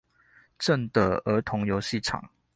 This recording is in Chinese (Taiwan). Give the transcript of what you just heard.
正德兒童遊戲場